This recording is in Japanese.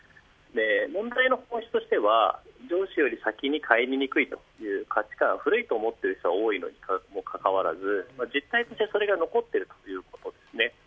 問題の本質は上司より先に帰りにくいという価値観は古いと思っている人は多いのにもかかわらず実態としてそれが残っていることです。